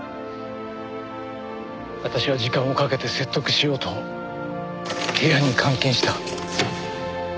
私は時間をかけて説得しようと部屋に監禁した。